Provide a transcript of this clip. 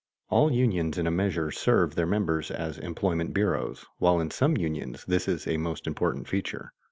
All unions in a measure serve their members as employment bureaus, while in some unions this is a most important feature.